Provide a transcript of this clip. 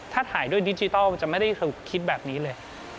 ถ้าถ่ายด้วยดิจิทัลจะไม่ได้คิดแบบนี้เลย